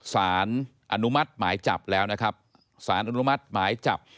สารอนุมัติหมายจับแล้วนะครับสารอนุมัติหมายจับ